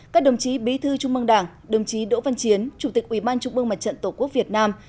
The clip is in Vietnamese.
các đồng chí bí thư trung mương đảng đồng chí đỗ văn chiến chủ tịch ủy ban trung mương mặt trận tổ quốc việt nam